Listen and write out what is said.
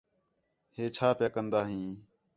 ہے چھا پیا کَندہ ہیں؟